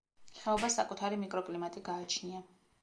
ხეობას საკუთარი მიკროკლიმატი გააჩნია.